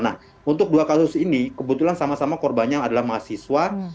nah untuk dua kasus ini kebetulan sama sama korbannya adalah mahasiswa